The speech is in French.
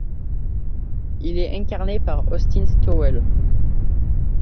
Il est incarné par Austin Stowell.